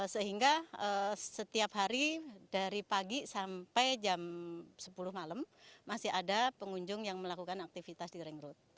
sehingga setiap hari dari pagi sampai jam sepuluh malam masih ada pengunjung yang melakukan aktivitas di ring road